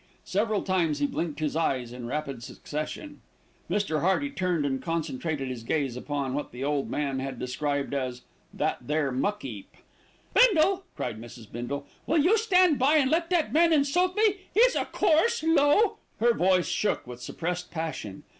Several times he blinked his eyes in rapid succession. Mr. Hearty turned and concentrated his gaze upon what the old man had described as "that there muck 'eap." "Bindle!" cried Mrs. Bindle. "Will you stand by and let that man insult me? He's a coarse, low " Her voice shook with suppressed passion.